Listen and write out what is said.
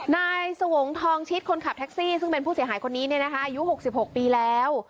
นายสวงทองชิดคนขับแท็กซี่ซึ่งเป็นผู้เสียหายคนนี้อายุ๖๖ปีแล้ว